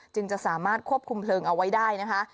จึงจะสามารถควบคุมเพลิงเอาไว้ได้นะคะ